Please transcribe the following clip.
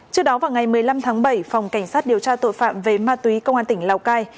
trước đó vào ngày một mươi năm tháng bảy phòng cảnh sát điều tra tội phạm về ma túy công an tỉnh lào cai